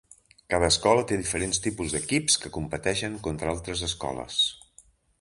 Cada escola té diferents tipus d'equips que competeixen contra altres escoles.